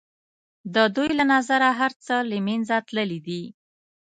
د دوی له نظره هر څه له منځه تللي دي.